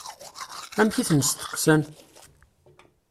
Amek i ten-steqsan?